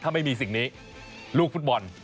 ถ้าไม่มีสิ่งนี้ลูกฟุตบอล